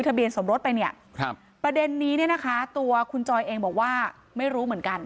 เบียนสมรสไปเนี่ยครับประเด็นนี้เนี่ยนะคะตัวคุณจอยเองบอกว่าไม่รู้เหมือนกัน